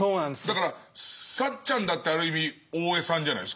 だからサッチャンだってある意味大江さんじゃないですか。